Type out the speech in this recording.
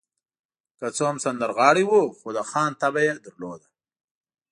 که څه هم سندرغاړی و، خو د خان طبع يې درلوده.